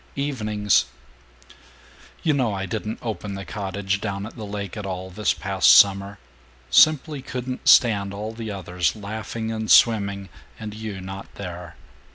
Evenings You know I didn't open the cottage down at the lake at all, this past summer. Simply couldn't stand all the others laughing and swimming, and you not there.